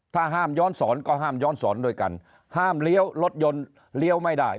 ถ้าห้ามย้อนสอนก็ห้ามย้อนสอนด้วยกันห้ามเลี้ยวรถยนต์เลี้ยวไม่ได้